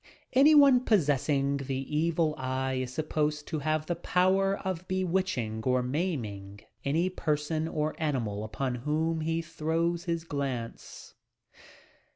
Any one possessing the evil eye is supposed to have the power of bewitching or maiming any person or animal upon whom he throws his glance.